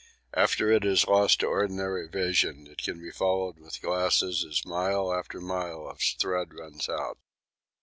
After it is lost to ordinary vision it can be followed with glasses as mile after mile of thread runs out.